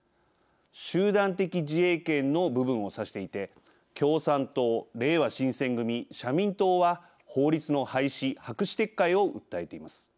集団的自衛権の部分を指していて共産党れいわ新選組社民党は法律の廃止・白紙撤回を訴えています。